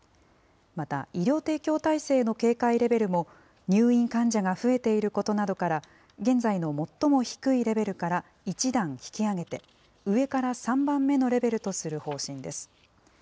また、医療提供体制の警戒レベルも、入院患者が増えていることなどから、現在の最も低いレベルから１段引き上げて、上から３番目のレベルとする方針です。